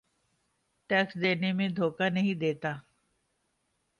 tax دینے میں دھوکہ نہیں دیتا